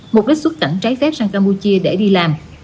mục đích xuất cảnh trái phép sang campuchia để đi làm